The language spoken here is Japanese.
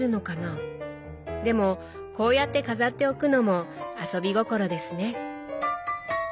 でもこうやって飾っておくのも遊び心ですね。